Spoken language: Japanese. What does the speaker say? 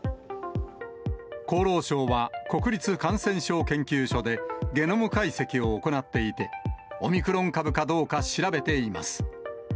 厚労省は、国立感染症研究所で、ゲノム解析を行っていて、オミクロン株かどうか調べています。